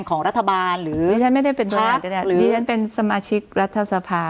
ของรัฐบาลของปฏิสำราชิกรัฐศพาฯ